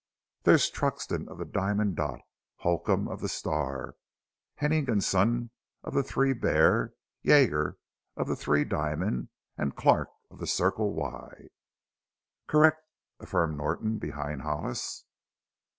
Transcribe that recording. "There's Truxton, of the Diamond Dot; Holcomb, of the Star; Henningson, of the Three Bar; Yeager, of the Three Diamond; an' Clark, of the Circle Y." "Correct," affirmed Norton, behind Hollis.